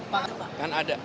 pak ada apa